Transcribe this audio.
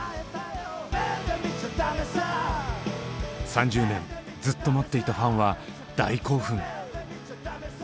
３０年ずっと待っていたファンは大興奮！